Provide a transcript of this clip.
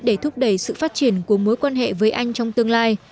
để thúc đẩy sự phát triển của mối quan hệ với anh trong tương lai